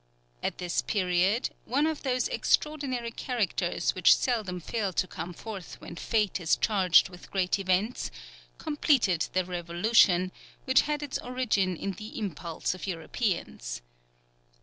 At this period, one of those extraordinary characters which seldom fail to come forth when fate is charged with great events, completed the revolution, which had its origin in the impulse of Europeans.